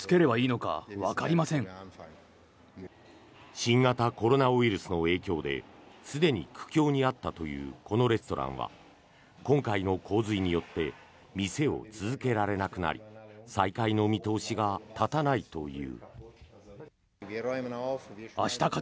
新型コロナウイルスの影響ですでに苦境にあったというこのレストランは今回の洪水によって店を続けられなくなり再開の見通しが立たないという。